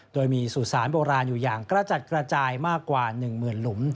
โดยมีสุสานโบราณอยู่อย่างกระจัดกระจายมากกว่า๑หมื่นหลุม